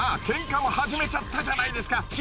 けんかを始めちゃったじゃないですか。